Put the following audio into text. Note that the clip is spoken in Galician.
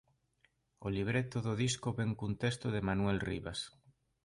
O libreto do disco vén cun texto de Manuel Rivas.